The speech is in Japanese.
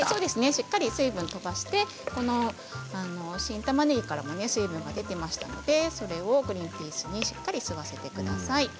しっかり水分を飛ばして、新たまねぎからも水分が出ていますのでそれをグリンピースにしっかり吸わせてください。